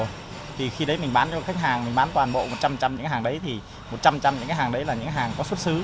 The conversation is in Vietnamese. thì khi đấy mình bán cho khách hàng mình bán toàn bộ một trăm linh trăm những hàng đấy thì một trăm linh trăm những hàng đấy là những hàng có xuất xứ